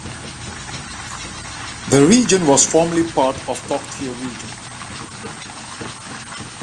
The region was formerly part of Togdheer region.